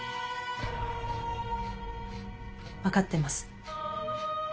分かってます。